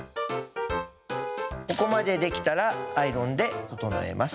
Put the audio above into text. ここまで出来たらアイロンで整えます。